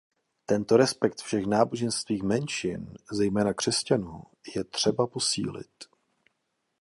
Tento respekt všech náboženských menšin, zejména křesťanů, je třeba posílit.